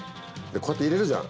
こうやって入れるじゃん